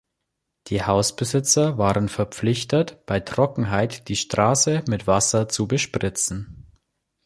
Die Hausbesitzer waren verpflichtet, bei Trockenheit die Straße mit Wasser zu bespritzen.